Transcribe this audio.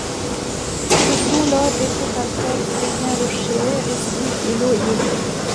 Ce sont leurs dépôts calcaires qui deviennent rochers, récifs, îlots, îles.